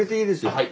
はい。